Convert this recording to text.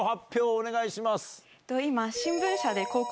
お願いします。